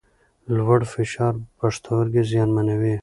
لوړ فشار پښتورګي زیانمنوي.